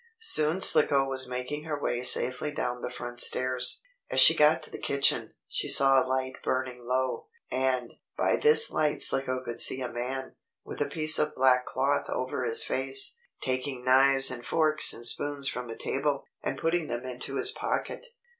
Soon Slicko was making her way safely down the front stairs. As she got to the kitchen, she saw a light burning low. And, by this light Slicko could see a man, with a piece of black cloth over his face, taking knives and forks and spoons from a table, and putting them into his pocket.